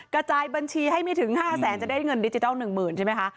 กระจายบัญชีให้ไม่ถึง๕แสนจะได้เงินดิจิทัล๑๐๐๐ใช่ไหมคะ